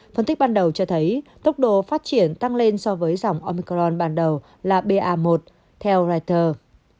phân tích ban đầu cho thấy tốc độ phát triển tăng lên so với dòng omicron ban đầu là ba một theo reuters